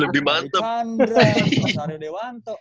dikandrem mas arya dewanto